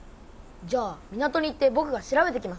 じゃあ港に行ってぼくが調べてきます。